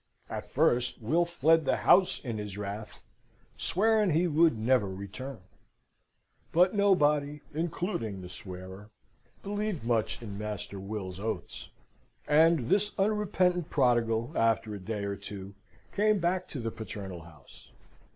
At first, Will fled the house, in his wrath, swearing he would never return. But nobody, including the swearer, believed much in Master Will's oaths; and this unrepentant prodigal, after a day or two, came back to the paternal house.